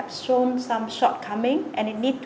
về vấn đề mà họ không biết